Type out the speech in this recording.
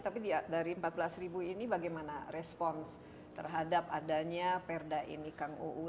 tapi dari empat belas ini bagaimana respons terhadap adanya perda ini kang uu